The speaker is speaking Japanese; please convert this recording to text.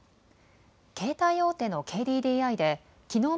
携帯大手のＫＤＤＩできのう